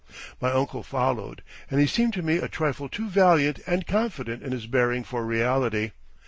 My uncle followed, and he seemed to me a trifle too valiant and confident in his bearing for reality.